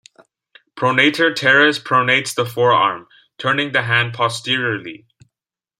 Pronator teres pronates the forearm, turning the hand posteriorly.